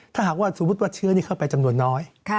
ถ้าหากว่าสมมุติว่าเชื้อนี้เข้าไปจำนวนน้อย